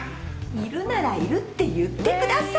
いるなら「いる」って言ってくださいよ。